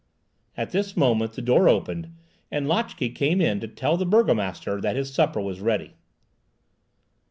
At this moment the door opened, and Lotchè came in to tell the burgomaster that his supper was ready.